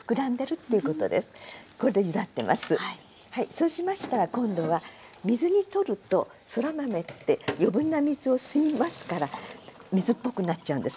そうしましたら今度は水にとるとそら豆って余分な水を吸いますから水っぽくなっちゃうんですね。